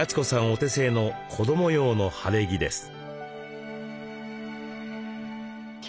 お手製の子ども用の晴れ着です。